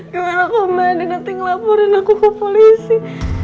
gimana pak bandit nanti ngelaporin aku ke polisi